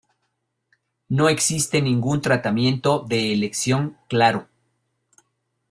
No existe ningún tratamiento de elección claro.